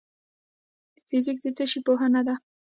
فزیک د څه شي پوهنه ده؟